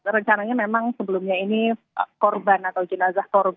rencananya memang sebelumnya ini korban atau jenazah korban